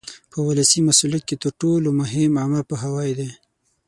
په ولسي مسؤلیت کې تر ټولو مهم عامه پوهاوی دی.